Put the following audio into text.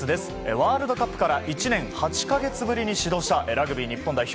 ワールドカップから１年８か月ぶりに始動したラグビー日本代表。